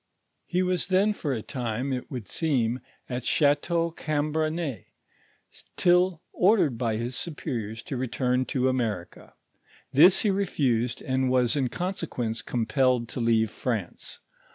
He was then for a time, it would seem, at Chateau Cambrensis, till or dered by his superiors to return to America ; this he refused, and was in conse quence compelled to leave France.